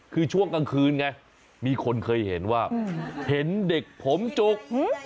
คือช่วงกลางคืนไงมีคนเคยเห็นว่าเห็นเด็กผมจุก